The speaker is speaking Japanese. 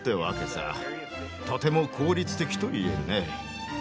とても効率的といえるね。